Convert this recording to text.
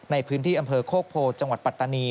ในพื้นที่อำเภอโคกโพจังหวัดปัตตานี